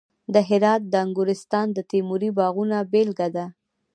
د هرات د انګورستان د تیموري باغونو بېلګه ده